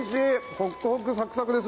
ホックホクサクサクです。